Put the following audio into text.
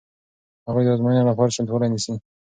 هغوی د ازموینې لپاره چمتووالی نیسي.